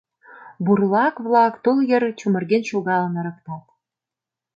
Бурлак-влак тул йыр чумырген шогалын ырыктат.